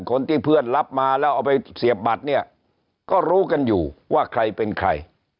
เพื่อนรับมาแล้วเอาไปเสียบบัตรเนี่ยก็รู้กันอยู่ว่าใครเป็นใคร